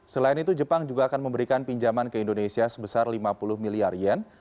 selain itu jepang juga akan memberikan pinjaman ke indonesia sebesar lima puluh miliar yen